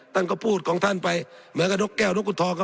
ท่านก็พูดของท่านไปเหมือนกับนกแก้วนกกุทอง